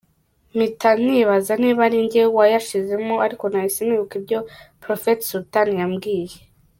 Mpita nibaza niba ari njye wayashyizemo ariko nahise nibuka ibyo Prophet Sultan yambwiye.